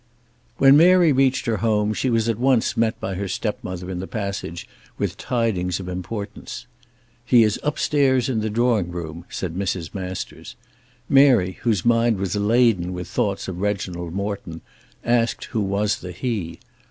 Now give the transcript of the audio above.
When Mary reached her home she was at once met by her stepmother in the passage with tidings of importance. "He is up stairs in the drawing room," said Mrs. Masters. Mary whose mind was laden with thoughts of Reginald Morton asked who was the he.